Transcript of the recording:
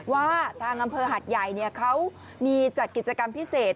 ว่าทางอำเภอหัดใหญ่เขามีจัดกิจกรรมพิเศษ